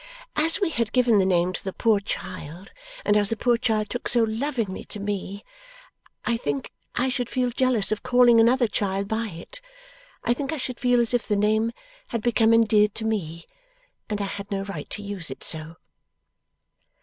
As we had given the name to the poor child, and as the poor child took so lovingly to me, I think I should feel jealous of calling another child by it. I think I should feel as if the name had become endeared to me, and I had no right to use it so.